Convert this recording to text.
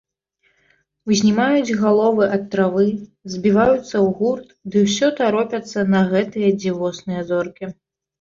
Узнімаюць галовы ад травы, збіваюцца ў гурт ды ўсё таропяцца на гэтыя дзівосныя зоркі.